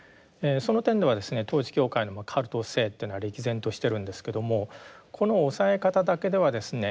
その点ではですね統一教会のカルト性というのは歴然としてるんですけどもこの押さえ方だけではですね